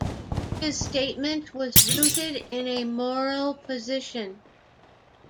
His statement was rooted in a moral position.